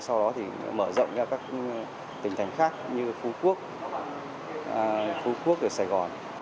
sau đó thì mở rộng ra các tỉnh thành khác như khu quốc khu quốc ở sài gòn